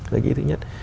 đấy là ý thứ nhất